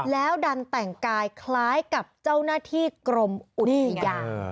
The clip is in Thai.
แล้วดันแต่งกายคล้ายกับเจ้าหน้าที่กรมอุทยาน